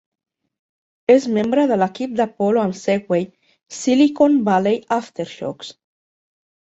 És membre de l'equip de polo amb segway "Silicon Valley Aftershocks".